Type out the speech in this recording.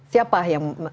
siapa yang menang